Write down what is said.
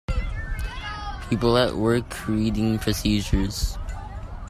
People at work reading procedures.